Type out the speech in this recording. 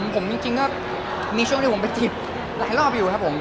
ผมมีช่วงที่ผมไปจิตหลายรอบอยู่ครับผม